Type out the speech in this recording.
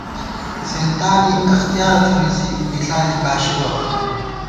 زېنتانی اختیار تھنی زِی ، مِݪا لِکاشی بَمان